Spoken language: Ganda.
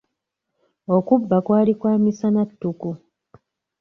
Okubba kwali kwa misana tuku.